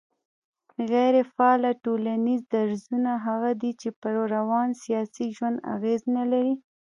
غيري فعاله ټولنيز درځونه هغه دي چي پر روان سياسي ژوند اغېز نه لري